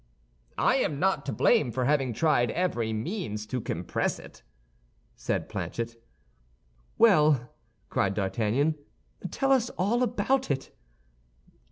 "I am not to blame for having tried every means to compress it," said Planchet. "Well!" cried D'Artagnan, "tell us all about it."